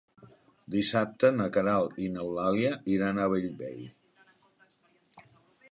Dissabte na Queralt i n'Eulàlia iran a Bellvei.